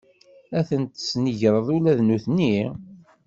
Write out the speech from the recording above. Ad ten-tesnegreḍ ula d nutni?